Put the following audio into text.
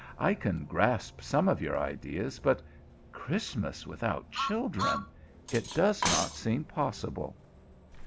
I can grasp some of your ideas, but Christmas without children! It does not seem possible."